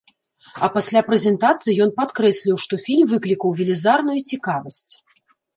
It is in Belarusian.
А пасля прэзентацыі ён падкрэсліў, што фільм выклікаў велізарную цікавасць.